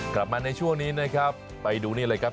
กลับมาในช่วงนี้นะครับไปดูนี่เลยครับ